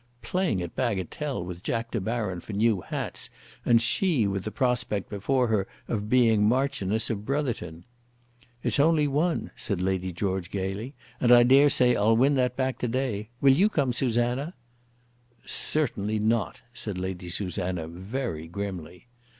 Playing at bagatelle with Jack De Baron for new hats, and she with the prospect before her of being Marchioness of Brotherton! "It's only one," said Lady George gaily, "and I daresay I'll win that back to day. Will you come, Susanna?" "Certainly not," said Lady Susanna, very grimly.